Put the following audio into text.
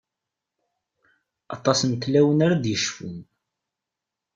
Aṭas n tlawin ara d-yecfun.